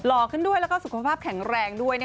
ขึ้นด้วยแล้วก็สุขภาพแข็งแรงด้วย